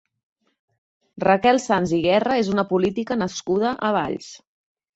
Raquel Sans i Guerra és una política nascuda a Valls.